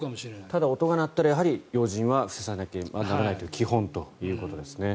ただ音が鳴ったら要人は伏せさせなきゃいけないという基本ということですね。